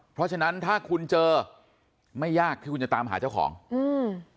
เพราะฉะนั้นถ้าคุณเจอไม่ยากที่คุณจะตามหาเจ้าของอืม